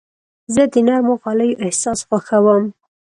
زه د نرمو غالیو احساس خوښوم.